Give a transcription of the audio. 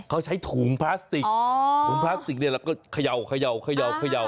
เขาใช้ถุงพลาสติกอ๋อถุงพลาสติกเนี้ยเราก็เขย่าเขย่าเขย่าเขย่า